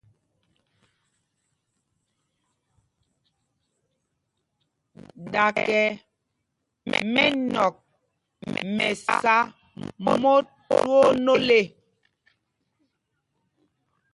Ɗakɛ mɛnɔ̂k mɛ sá mot twóó nôl ê.